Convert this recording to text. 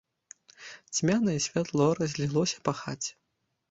Цьмянае святло разлілося па хаце.